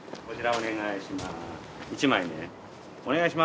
お願いします。